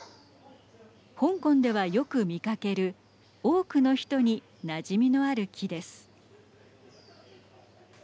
香港ではよく見かける多くの人に、なじみのある木です。